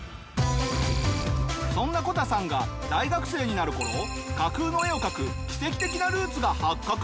そんなこたさんが大学生になる頃架空の絵を描く奇跡的なルーツが発覚するぞ！